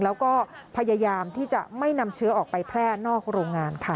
แล้วก็พยายามที่จะไม่นำเชื้อออกไปแพร่นอกโรงงานค่ะ